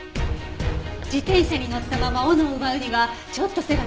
自転車に乗ったまま斧を奪うにはちょっと背が高すぎる。